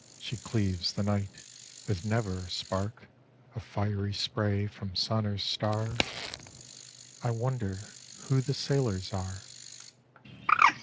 She cleaves the night with never a spark Of fiery spray from sun or star. I wonder who the sailors are?